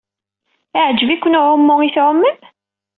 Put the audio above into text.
Yeɛjeb-iken uɛumu ay tɛumem?